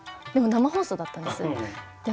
でも生放送だったんですよ。